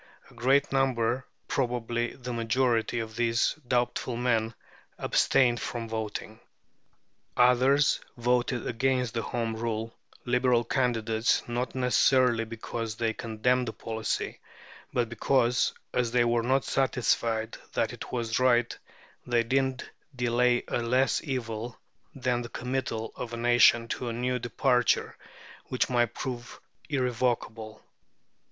A great number, probably the majority, of these doubtful men abstained from voting. Others voted against the Home Rule Liberal candidates, not necessarily because they condemned the policy, but because, as they were not satisfied that it was right, they deemed delay a less evil than the committal of the nation to a new departure, which might prove irrevocable.